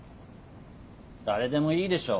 誰でもいいでしょ。